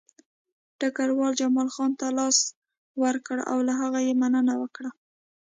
ډګروال جمال خان ته لاس ورکړ او له هغه یې مننه وکړه